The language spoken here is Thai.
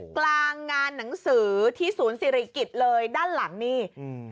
กลางงานหนังสือที่ศูนย์ศิริกิจเลยด้านหลังนี่อืม